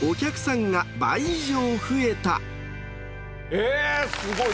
ええすごい。